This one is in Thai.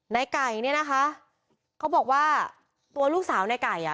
ในไก่เนี่ยนะคะเขาบอกว่าตัวลูกสาวในไก่อ่ะ